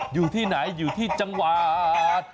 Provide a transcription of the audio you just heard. อยู่ที่ไหนอยู่ที่จังหวัด